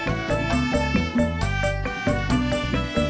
masih berbelakang segini